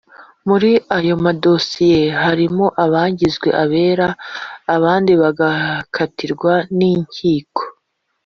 muri ayo madosiye, harimo abagizwe abere, abandi bakatirwa n’inkiko.